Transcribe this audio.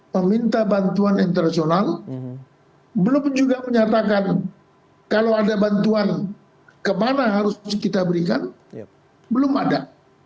meminta bantuan internasional belum juga menyatakan kalau ada bantuan kemana harus kita berikan belum ada